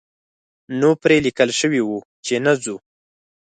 نو پرې لیکل شوي وو چې نه ځو.